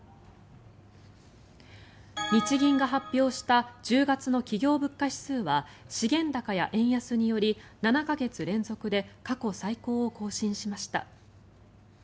日銀が発表した１０月の企業物価指数は資源高や円安により７か月連続で過去最高を更新しました。